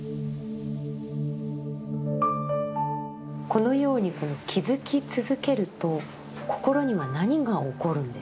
このように気づき続けると心には何が起こるんでしょうか。